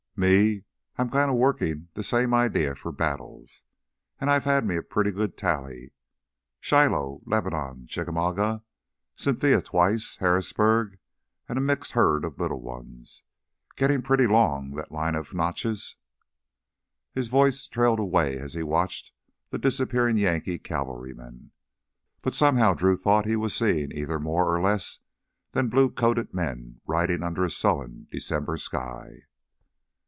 Me, I'm kinda workin' the same idea for battles. An' I have me a pretty good tally Shiloh, Lebanon, Chickamauga, Cynthiana twice, Harrisburg, an' a mixed herd o' little ones. Gittin' pretty long, that line o' knotches." His voice trailed away as he watched the disappearing Yankee cavalrymen, but somehow Drew thought he was seeing either more or less than blue coated men riding under a sullen December sky.